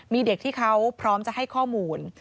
มีเด็กที่เขาพร้อมจะให้ข้อมูล